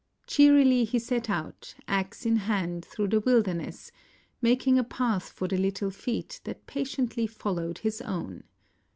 Cheerily he set out axe in hand through the wilder ness, making a path for the Httlc feet that patiently followed his own.